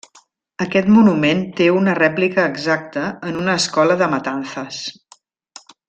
Aquest monument té una rèplica exacta en una escola de Matanzas.